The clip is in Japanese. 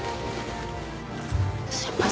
すいません。